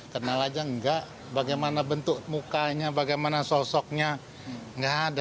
kenal aja enggak bagaimana bentuk mukanya bagaimana sosoknya nggak ada